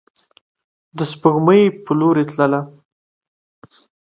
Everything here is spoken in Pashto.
د سپوږمۍ په لوري تلله